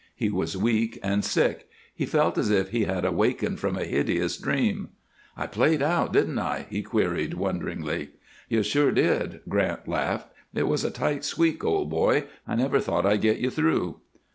He was weak and sick; he felt as if he had awakened from a hideous dream. "I played out, didn't I?" he queried, wonderingly. "You sure did," Grant laughed. "It was a tight squeak, old boy. I never thought I'd get you through."